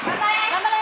頑張れ！